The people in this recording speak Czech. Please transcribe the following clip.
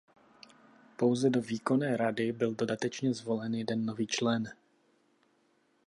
Pouze do Výkonné rady byl dodatečně zvolen jeden nový člen.